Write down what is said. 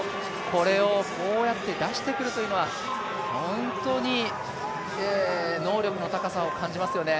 これをこうやって出してくるというのは本当に能力の高さを感じますよね。